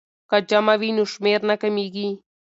که جمع وي نو شمېر نه کمیږي.